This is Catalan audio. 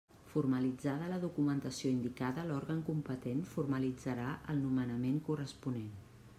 Formalitzada la documentació indicada, l'òrgan competent formalitzarà el nomenament corresponent.